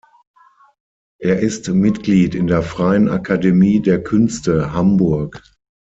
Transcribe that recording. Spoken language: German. Er ist Mitglied in der Freien Akademie der Künste Hamburg.